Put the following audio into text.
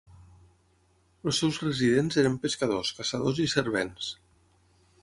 Els seus residents eren pescadors, caçadors i servents.